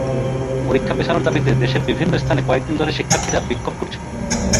পরীক্ষা পেছানোর দাবিতে দেশের বিভিন্ন স্থানে কয়েক দিন ধরে শিক্ষার্থীরা বিক্ষোভ করছিল।